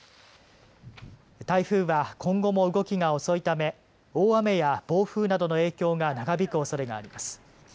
台風は今後も動きが遅いため大雨や暴風などの影響が長引くおそれがあります。